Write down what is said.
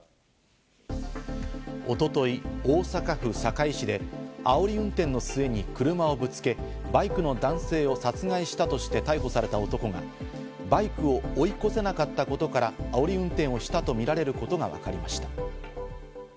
一昨日、大阪府堺市であおり運転の末に車をぶつけ、バイクの男性を殺害したとして逮捕された男がバイクを追い越せなかったことから、あおり運転したとみられることがわかりました。